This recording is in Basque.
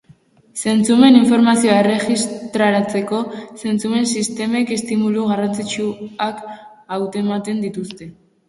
Zentzumen-informazioa erregistratzeko, zentzumen-sistemek estimulu garrantzitsuak hautematen dituzte.